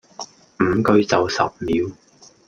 五句就十秒